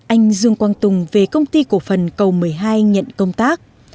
anh dương quang tùng về công ty cổ phần cầu một mươi hai nhận công tác